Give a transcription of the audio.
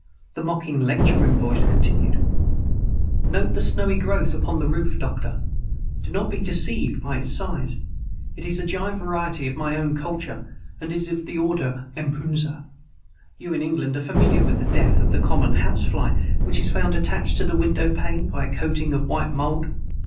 The mocking, lecture room voice continued: "Note the snowy growth upon the roof, Doctor. Do not be deceived by its size. It is a giant variety of my own culture and is of the order empusa. You, in England, are familiar with the death of the common house fly which is found attached to the window pane by a coating of white mold.